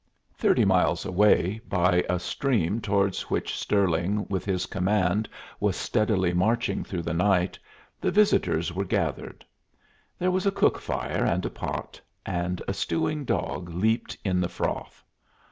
Thirty miles away, by a stream towards which Stirling with his command was steadily marching through the night, the visitors were gathered. There was a cook fire and a pot, and a stewing dog leaped in the froth.